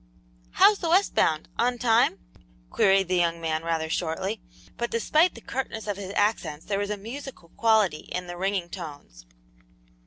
"How's the west bound on time?" queried the young man rather shortly, but despite the curtness of his accents there was a musical quality in the ringing tones.